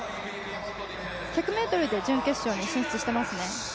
１００ｍで準決勝に進出していますね。